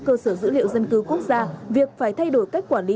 cơ sở dữ liệu dân cư quốc gia việc phải thay đổi cách quản lý